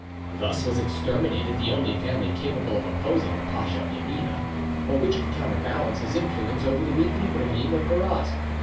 Thus was exterminated the only family capable of opposing the Pacha of Janina, or which could counterbalance his influence over the weak Ibrahim of Berat.